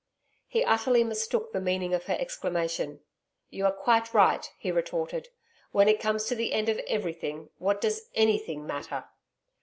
He utterly mistook the meaning of her exclamation. 'You are quite right,' he retorted. 'When it comes to the end of everything, what does ANYTHING matter!'